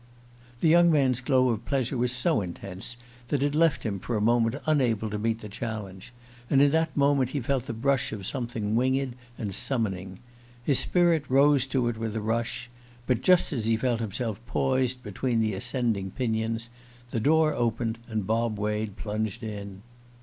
The young man's glow of pleasure was so intense that it left him for a moment unable to meet the challenge; and in that moment he felt the brush of something winged and summoning. His spirit rose to it with a rush; but just as he felt himself poised between the ascending pinions, the door opened and Bob Wade plunged in.